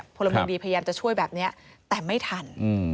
พลเมืองดีพยายามจะช่วยแบบนี้แต่ไม่ทัน